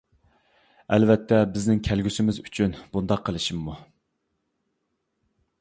ئەلۋەتتە بىزنىڭ كەلگۈسىمىز ئۈچۈن بۇنداق قىلىشىممۇ.